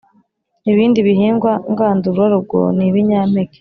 ibindi bihingwa ngandurarugo ni ibinyampeke.